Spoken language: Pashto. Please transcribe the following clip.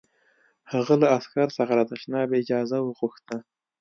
هغه له عسکر څخه د تشناب اجازه وغوښته